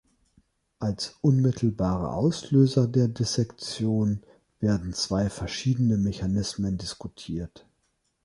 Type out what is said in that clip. Als unmittelbare Auslöser der Dissektion werden zwei verschiedene Mechanismen diskutiert.